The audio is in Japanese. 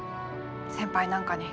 先輩なんかに。